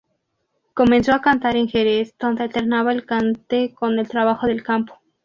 Comenzó a cantar en Jerez donde alternaba el cante con el trabajo del campo.